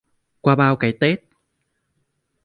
Qua bao cái Tết